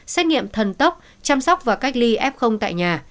xét nghiệm thần tốc chăm sóc và cách ly f tại nhà